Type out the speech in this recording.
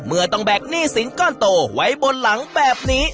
เมื่อต้องแบกหนี้สินก้อนโตไว้บนหลังแบบนี้